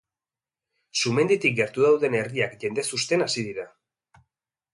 Sumenditik gertu dauden herriak jendez husten hasi dira.